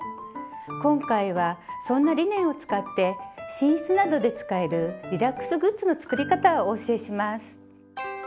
今回はそんなリネンを使って寝室などで使えるリラックスグッズの作り方をお教えします。